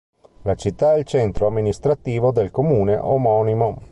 La città è il centro amministrativo del comune omonimo.